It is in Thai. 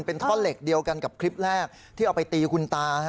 เป็นท่อเหล็กเดียวกันกับคลิปแรกที่เอาไปตีคุณตา